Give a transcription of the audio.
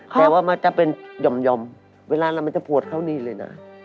แต่ว่ามันจะเป็นหย่อมเวลาเรามันจะปวดเข้านี่เลยนะ